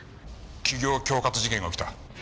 企業恐喝事件が起きた。